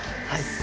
はい。